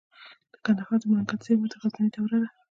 د کندهار د منگل زیرمه د غزنوي دورې ده